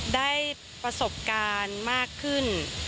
ได้ประสบการณ์มากขึ้น